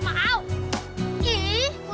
sakit aduh leher asma